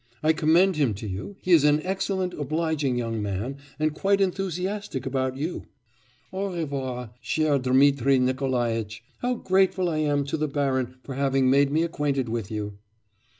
I commend him to you; he is an excellent, obliging young man, and quite enthusiastic about you. Au revoir, cher Dmitri Nikolaitch! How grateful I am to the baron for having made me acquainted with you!